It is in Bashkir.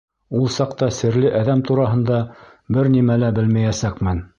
Ул саҡта серле әҙәм тураһында бер нимә лә белмәйәсәкмен.